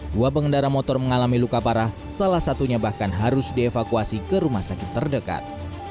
dua pengendara motor mengalami luka parah salah satunya bahkan harus dievakuasi ke rumah sakit terdekat